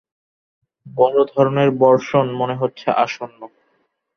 বড় ধরনের বর্ষণ মনে হচ্ছে আসন্ন।